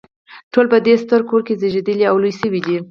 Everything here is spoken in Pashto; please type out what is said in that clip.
ټول په دې ستر کور کې زیږیدلي او لوی شوي دي.